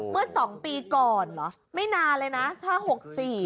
เมื่อ๒ปีก่อนเหรอไม่นานเลยนะ๕๖๔บาท